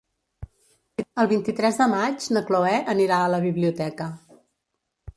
El vint-i-tres de maig na Cloè anirà a la biblioteca.